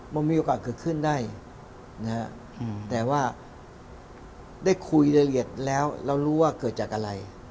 มันมีโอกาสเกิดขึ้นได้แต่ว่าได้คุยรายละเอียดแล้วเรารู้ว่าเกิดจากอะไร